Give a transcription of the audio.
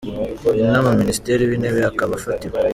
inama Minisitiri w’Intebe, akaba afatwa.